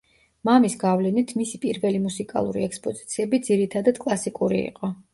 მამის გავლენით, მისი პირველი მუსიკალური ექსპოზიციები ძირითადად კლასიკური იყო.